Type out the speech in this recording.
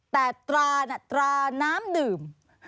แต่ตราน้ำดื่ม